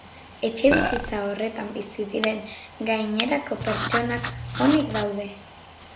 Etxebizitza horretan bizi diren gainerako pertsonak onik daude.